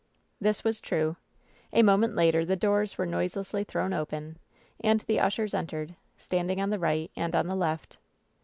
This was true. A moment later the doors were noise lessly thrown open, and the ushers entered, standing on the right and on the left.